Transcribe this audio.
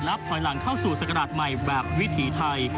ถอยหลังเข้าสู่ศักราชใหม่แบบวิถีไทย